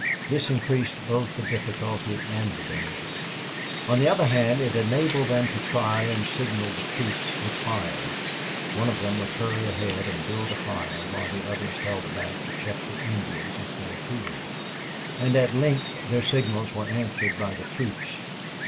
This increased both the difficulty and the danger. On the other hand, it enabled them to try and signal the troops with fire. One of them would hurry ahead and build a fire while the others held back to check the Indians if they appeared. And at length their signals were answered by the troops.